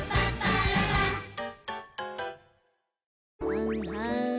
はんはん。